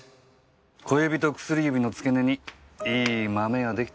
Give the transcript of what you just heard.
小指と薬指の付け根にいいマメができてたんですよ。